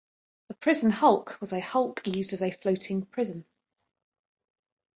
A prison hulk was a hulk used as a floating prison.